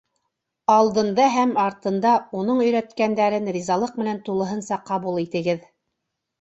Алдында һәм артында уның өйрәткәндәрен ризалыҡ менән тулыһынса ҡабул итегеҙ.